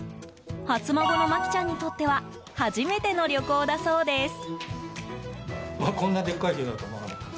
初孫のマキちゃんにとっては初めての旅行だそうです。